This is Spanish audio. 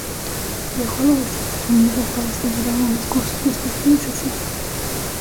Viajó a los Estados Unidos para seguir algunos cursos de especialización.